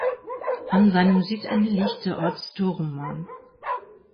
An seinem Südende liegt der Ort Storuman.